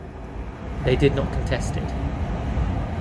They did not contest it.